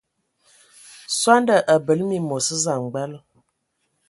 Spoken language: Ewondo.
Sɔndɔ a bəle məmos samgbal.